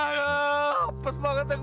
aduh apaan tuh ini